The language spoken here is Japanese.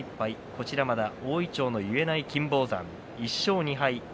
こちらは大いちょうが結えない金峰山、１勝２敗です。